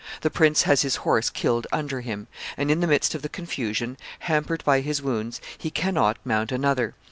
The prince has his horse killed under him; and, in the midst of the confusion, hampered by his wounds, he cannot mount another.